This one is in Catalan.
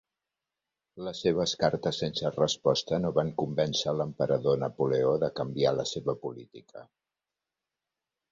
Les seves cartes sense resposta no van convèncer l'emperador Napoleó de canviar la seva política.